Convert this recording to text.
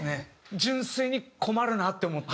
純粋に困るなって思って。